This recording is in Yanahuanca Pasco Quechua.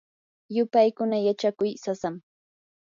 yupaykuna yachakuy sasam.